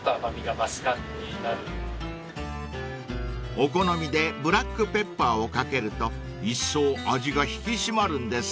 ［お好みでブラックペッパーをかけると一層味が引き締まるんですって］